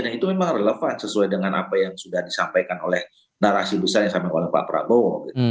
yang itu memang relevan sesuai dengan apa yang sudah disampaikan oleh narasi besar yang disampaikan oleh pak prabowo